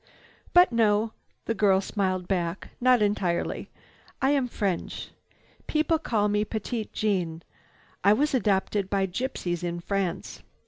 "But no." The girl smiled back. "Not entirely. I am French. People call me Petite Jeanne. I was adopted by gypsies in France.